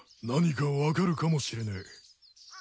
何か分かるかもしれねえ。